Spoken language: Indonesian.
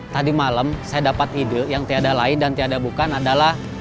tadi malam saya dapat ide yang tiada lain dan tiada bukan adalah